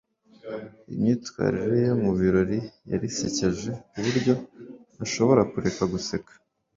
imyitwarire ye mubirori yari isekeje kuburyo ntashobora kureka guseka